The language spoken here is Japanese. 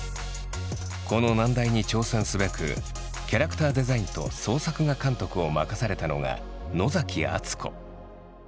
この難題に挑戦すべくキャラクターデザインと総作画監督を任されたのが野崎あつこ。